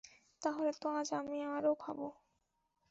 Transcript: তাহলে তো আজ আমি আরও খাবো?